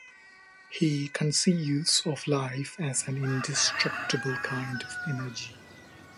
He conceives of life as an indestructible kind of energy.